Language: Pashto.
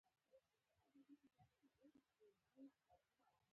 چې ډوډۍ وخورم، نور له فکر نه خلاص شم.